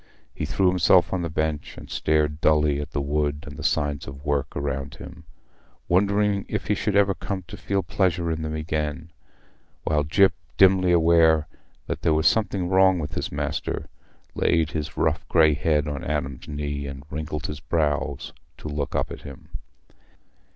He threw himself on the bench and stared dully at the wood and the signs of work around him, wondering if he should ever come to feel pleasure in them again, while Gyp, dimly aware that there was something wrong with his master, laid his rough grey head on Adam's knee and wrinkled his brows to look up at him.